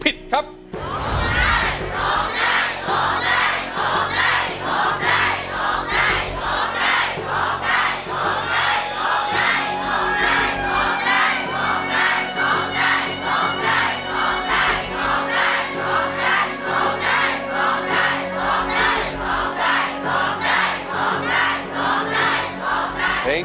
ที่บอกใจยังไง